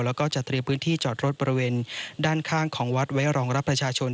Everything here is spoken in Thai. แล้วก็จะเตรียมพื้นที่จอดรถบริเวณด้านข้างของวัดไว้รองรับประชาชน